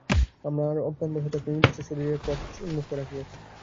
আমরা অজ্ঞানবশত এক নির্দিষ্ট শরীরে নিজেদের আবদ্ধ করিয়া দুঃখের পথ উন্মুক্ত রাখিয়াছি।